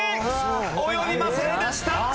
及びませんでした。